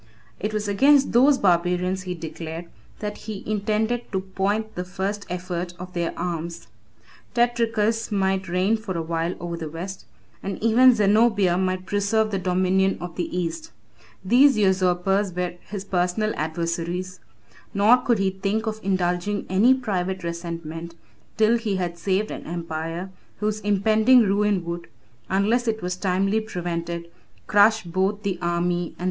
It was against those barbarians, he declared, that he intended to point the first effort of their arms. Tetricus might reign for a while over the West, and even Zenobia might preserve the dominion of the East. 10 These usurpers were his personal adversaries; nor could he think of indulging any private resentment till he had saved an empire, whose impending ruin would, unless it was timely prevented, crush both the army and the people.